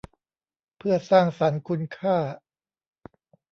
เพื่อสร้างสรรค์คุณค่า